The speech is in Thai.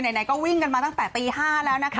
ไหนก็วิ่งกันมาตั้งแต่ตี๕แล้วนะคะ